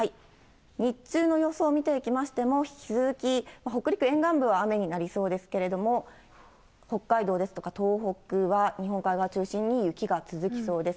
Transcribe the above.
日中の予想を見ていきましても、引き続き北陸沿岸部は雨になりそうですけれども、北海道ですとか、東北は日本海側を中心に雪が続きそうです。